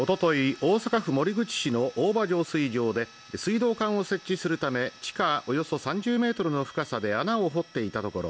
大阪府守口市の大庭浄水場で水道管を設置するため地下およそ３０メートルの深さで穴を掘っていたところ